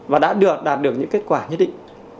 và đã đạt được những kết quả nhất định